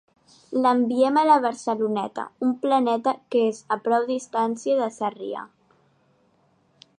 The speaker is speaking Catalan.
L'enviem a la Barceloneta, un planeta que és a prou distància de Sarrià.